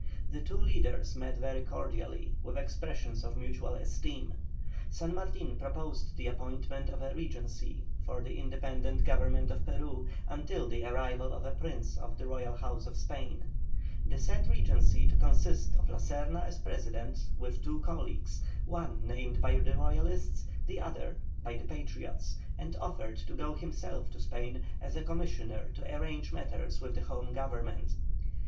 The two leaders met very cordially, with expressions of mutual esteem. San Martin proposed the appointment of a regency for the independent government of Peru, until the arrival of a prince of the Royal House of Spain; the said regency to consist of La Serna as President, with two colleagues, one named by the Royalists, the other by the Patriots, and offered to go himself to Spain as a commissioner to arrange matters with the Home Government.